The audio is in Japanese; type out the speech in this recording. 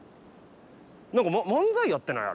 何か漫才やってない？